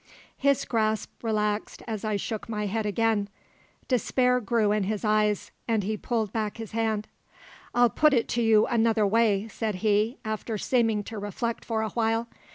His grasp relaxed as I shook my head again. Despair grew in his eyes, and he pulled back his hand. "I'll put it to you another way," said he, after seeming to reflect for a while.